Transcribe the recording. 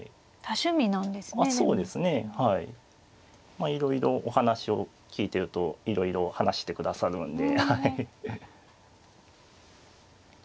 まあいろいろお話を聞いてるといろいろ話してくださるんで。